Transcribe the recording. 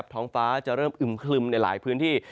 ท้องฟ้าจะเริ่มอึมคลึมในหลายพื้นที่